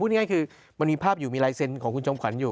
ง่ายคือมันมีภาพอยู่มีลายเซ็นต์ของคุณจอมขวัญอยู่